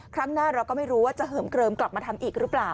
ครั้งหน้าเราก็ไม่รู้ว่าจะเหิมเกลิมกลับมาทำอีกหรือเปล่า